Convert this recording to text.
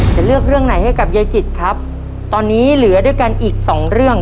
จะเลือกเรื่องไหนให้กับยายจิตครับตอนนี้เหลือด้วยกันอีกสองเรื่อง